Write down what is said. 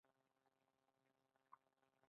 تودوخه د افغانستان په اوږده تاریخ کې ذکر شوی دی.